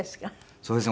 そうですね。